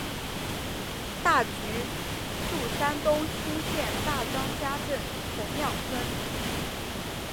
分局驻山东莘县大张家镇红庙村。